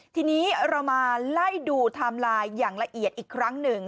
ทีนี้เรามาไล่ดูไทม์ไลน์อย่างละเอียดอีกครั้งหนึ่ง